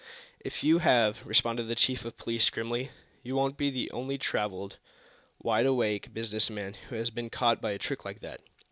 "If you have," responded the chief of police, grimly, "you won't be the only traveled, wide awake business man who has been caught by a trick like that.